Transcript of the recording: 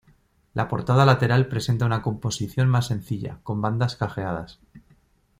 La portada lateral presenta una composición más sencilla, con bandas cajeadas.